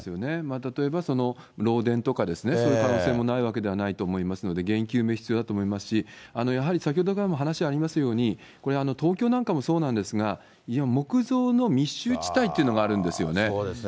例えば漏電とかね、そういう可能性もないわけではないと思いますんで、原因究明必要だと思いますし、やはり先ほどからも話ありましたように、これ、東京なんかもそうなんですが、木造の密集地帯というのがあるんですよね。